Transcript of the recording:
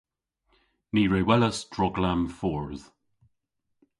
Ni re welas droglam fordh.